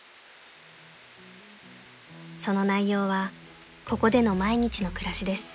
［その内容はここでの毎日の暮らしです］